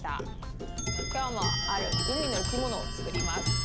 きょうもあるうみのいきものをつくります！